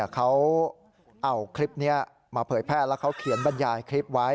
เขาเอาคลิปนี้มาเผยแพร่แล้วเขาเขียนบรรยายคลิปไว้